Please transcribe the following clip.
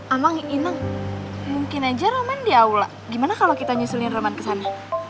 emang inang mungkin aja roman di aula gimana kalau kita nyusulin roman ke sana